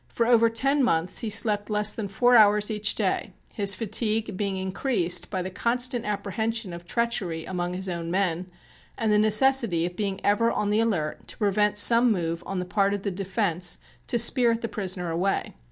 For over ten months he slept less than four hours each day, his fatigue being increased by the constant apprehension of treachery among his own men, and the necessity of being ever on the alert to prevent some move on the part of the defense to spirit the prisoner away.